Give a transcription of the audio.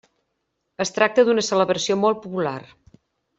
Es tracta d'una celebració molt popular.